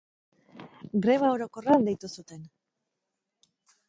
Greba orokorra deitu zuten.